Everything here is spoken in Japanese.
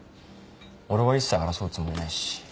俺は一切争うつもりないし。